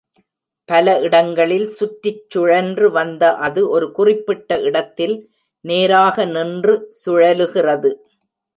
பல இடங்களில் சுற்றிச் சுழன்று வந்த அது ஒரு குறிப்பிட்ட இடத்தில் நேராக நின்று சுழலுகிறது.